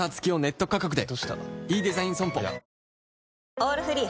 「オールフリー」